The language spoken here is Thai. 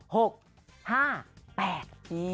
หกห้าแปด